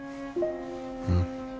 うん。